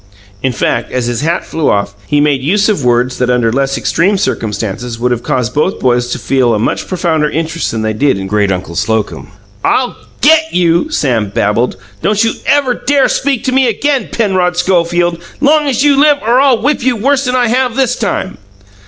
In fact, as his hat flew off, he made use of words that under less extreme circumstances would have caused both boys to feel a much profounder interest than they did in great uncle Slocum. "I'll GET you!" Sam babbled. "Don't you ever dare to speak to me again, Penrod Schofield, long as you live, or I'll whip you worse'n I have this time!"